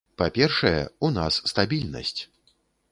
Па-першае, у нас стабільнасць.